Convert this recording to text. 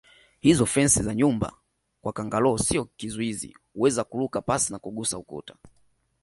Hizo fensi za nyumba kwa kangaroo sio kizuizi huweza kuruka pasi na kugusa ukuta